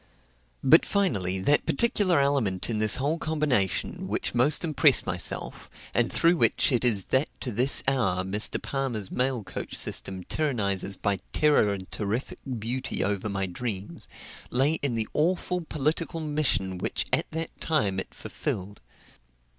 But, finally, that particular element in this whole combination which most impressed myself, and through which it is that to this hour Mr. Palmer's mail coach system tyrannizes by terror and terrific beauty over my dreams, lay in the awful political mission which at that time it fulfilled.